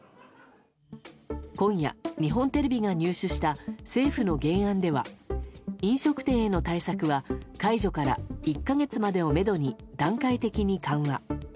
今夜、日本テレビが入手した政府の原案では飲食店への対策は解除から１か月までをめどに段階的に緩和。